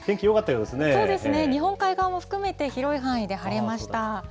そうですね、日本海側も含めて、広い範囲で晴れました。